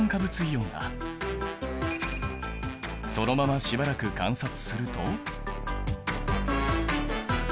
そのまましばらく観察すると。